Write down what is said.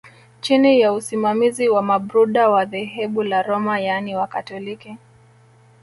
Chini ya usimamizi wa Mabruda wa dhehebu la Roma yaani wakatoliki